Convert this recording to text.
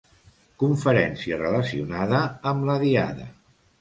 Conferència relacionada amb la Diada.